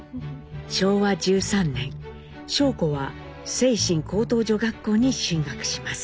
昭和１３年尚子は清津高等女学校に進学します。